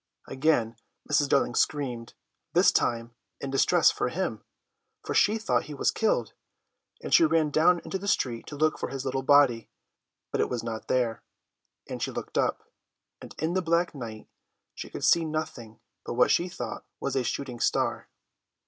Again Mrs. Darling screamed, this time in distress for him, for she thought he was killed, and she ran down into the street to look for his little body, but it was not there; and she looked up, and in the black night she could see nothing but what she thought was a shooting star.